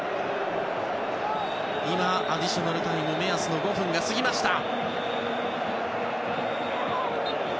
アディショナルタイム目安の５分が過ぎました。